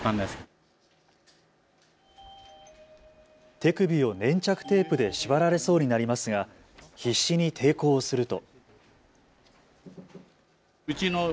手首を粘着テープで縛られそうになりますが必死に抵抗をすると。